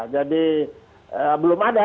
jadi belum ada